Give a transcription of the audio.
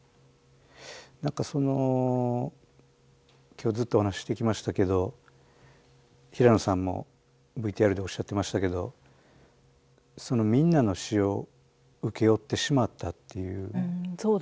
何かその今日ずっとお話ししてきましたけど平野さんもＶＴＲでおっしゃってましたけどみんなの死を請け負ってしまったっていうね。